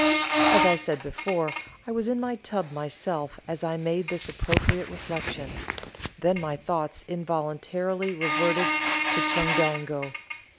As I said before, I was in my tub myself as I made this appropriate reflection; then my thoughts involuntarily reverted to Chundango.